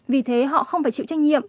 vì thế họ không phải chịu trách nhiệm